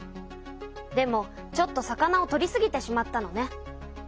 でもちょっと魚を取りすぎてしまったのね。